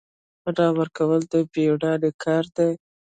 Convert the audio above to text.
پنا ورکول د میړانې کار دی